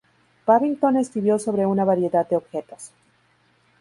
Babington escribió sobre una variedad de objetos.